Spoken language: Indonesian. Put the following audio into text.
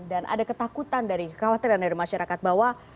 dan ada ketakutan dari kekhawatiran dari masyarakat bahwa